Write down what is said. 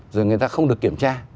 rồi người ta không được kiểm tra